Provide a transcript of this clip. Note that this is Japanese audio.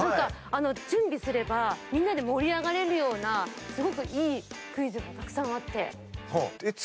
準備すればみんなで盛り上がれるようなすごくいいクイズがたくさんあって。